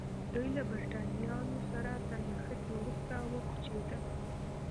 دوی له برېټانویانو سره تر نښتې وروسته وکوچېدل.